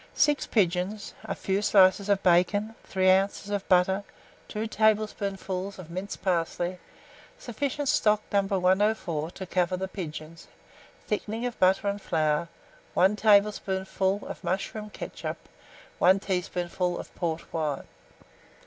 6 pigeons, a few slices of bacon, 3 oz. of butter, 2 tablespoonfuls of minced parsley, sufficient stock No. 104 to cover the pigeons, thickening of butter and flour, 1 tablespoonful of mushroom ketchup, 1 tablespoonful of port wine.